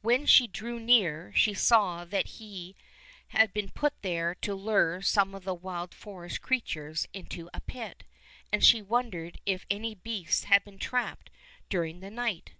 When she drew near she saw that he had been put there to lure some of the wild forest creatures into a pit, and she wondered if any beasts had been trapped during the night.